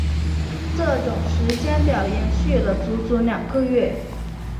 这种时间表延续了足足两个月。